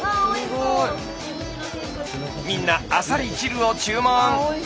みんなアサリ汁を注文。